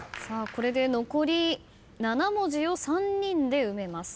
これで残り７文字を３人で埋めます。